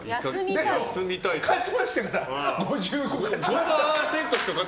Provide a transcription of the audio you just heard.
でも勝ちましたから、５５が。